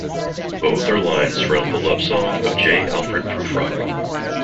Both are lines from "The Love Song of J. Alfred Prufrock".